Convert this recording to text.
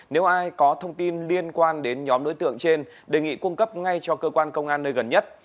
nếu ai có thông tin liên quan đến nhóm đối tượng trên đề nghị cung cấp ngay cho cơ quan công an nơi gần nhất